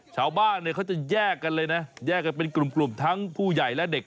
ชาวบ้านเนี่ยเขาจะแยกกันเลยนะแยกกันเป็นกลุ่มทั้งผู้ใหญ่และเด็ก